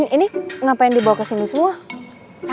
ini ngapain dibawa kesini semua